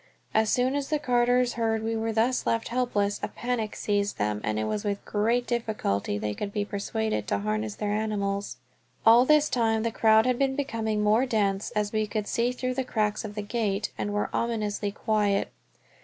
As soon as the carters heard we were thus left helpless a panic seized them, and it was with great difficulty they could be persuaded to harness their animals. All this time the crowd had been becoming more dense, as we could see through the cracks of the gate, and were ominously quiet.